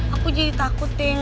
aku jadi takut ting